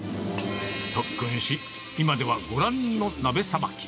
特訓し、今ではご覧の鍋さばき。